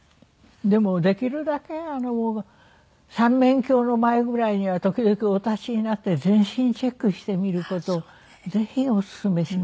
でもできるだけ三面鏡の前ぐらいには時々お立ちになって全身チェックしてみる事をぜひお勧めします。